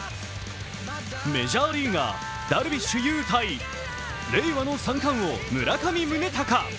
メジャーリーガー・ダルビッシュ有対令和の三冠王・村上宗隆。